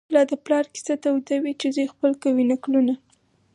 لا د پلار کیسه توده وي چي زوی خپل کوي نکلونه